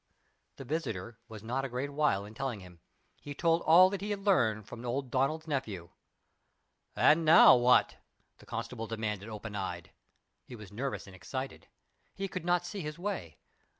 The visitor was not a great while in telling him. He told all that he had learned from old Donald's nephew. "And now, what?" the constable demanded, open eyed. He was nervous and excited. He could not see his way.